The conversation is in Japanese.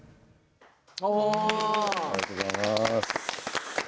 ありがとうございます。